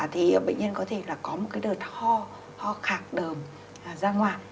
thì bệnh nhân có thể có một đợt ho khạc đờm ra ngoài